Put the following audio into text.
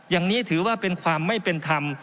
อย่างนี้ถือว่าเป็นความไม่เป็นธรรม